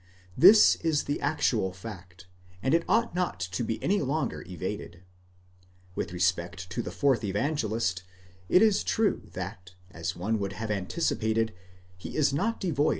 * This.is the actual fact, and it ought not to be any longer evaded. With respect to the fourth Evangelist, it is true that, as one would 1 Schulz, iiber das Abendmahl, 5.